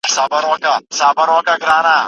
که کار وکړئ نو خوشاله به اوسئ.